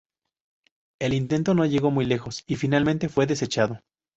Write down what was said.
El intento no llegó muy lejos y finalmente fue desechado.